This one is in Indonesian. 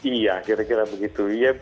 iya kira kira begitu